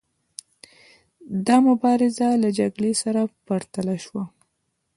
دا مبارزه له جګړې سره پرتله شوه.